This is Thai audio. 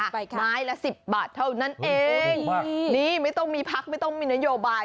ใบไม้ละสิบบาทเท่านั้นเองนี่ไม่ต้องมีพักไม่ต้องมีนโยบาย